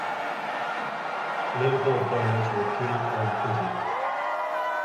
Political opponents were killed or imprisoned.